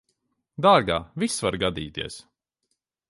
Dārgā, viss var gadīties.